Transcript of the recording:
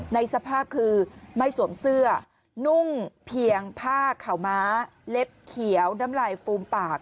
ในสภาพคือไม่สวมเสื้อนุ่งเพียงผ้าขาวม้าเล็บเขียวน้ำลายฟูมปาก